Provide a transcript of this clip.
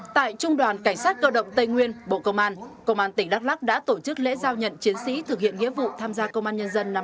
tại trung đoàn cảnh sát cơ động tây nguyên bộ công an công an tỉnh đắk lắc đã tổ chức lễ giao nhận chiến sĩ thực hiện nghĩa vụ tham gia công an nhân dân năm hai nghìn hai mươi bốn